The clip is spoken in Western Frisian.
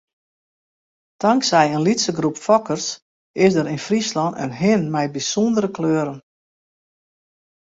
Tanksij in lytse groep fokkers is der yn Fryslân in hin mei bysûndere kleuren.